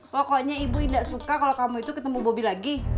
pokoknya ibu indah suka kalau kamu itu ketemu bobby lagi